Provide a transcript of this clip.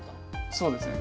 そうですね。